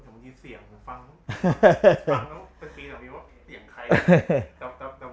ผมยินเสียงผมฟังเนอะ